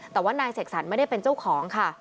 แต่ว่านายเสกสรรไม่ได้เป็นเจ้าของค่ะ